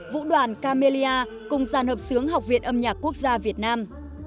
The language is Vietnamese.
vũ đoàn camellia cùng giàn hợp sướng học việt âm nhạc quốc gia việt nam